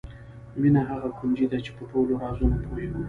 مینه هغه کونجي ده چې په ټولو رازونو پوهېږو.